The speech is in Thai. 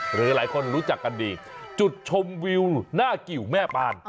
หรือหลายคนรู้จักกันดีจุดชมวิวหน้ากิวแม่ปาน